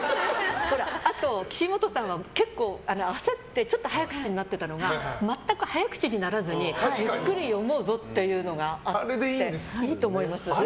あと、岸本さんは結構焦ってちょっと早口になっていたのが全く早口にならずにゆっくり読むぞという感じでいいと思います。